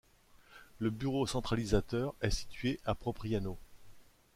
Le bureau centralisateur est situé à Propriano.